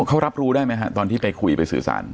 เขารับรู้ได้ไหมฮะตอนที่ไปคุยไปสื่อสาร